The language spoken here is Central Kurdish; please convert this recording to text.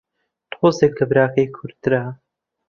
تۆزێک لە براکەی کورتترە